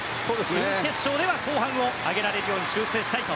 準決勝では後半を上げられるよう修正したいと。